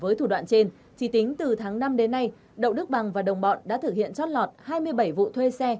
với thủ đoạn trên chỉ tính từ tháng năm đến nay đậu đức bằng và đồng bọn đã thực hiện chót lọt hai mươi bảy vụ thuê xe